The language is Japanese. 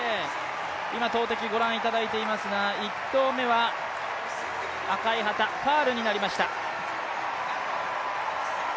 今、投てきご覧いただいていますが１投目は赤い旗、ファウルになりました。